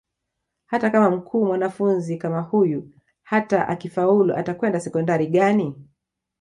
Hata kama mkuu mwanafunzi kama huyu hata akifaulu atakwenda Sekondari gani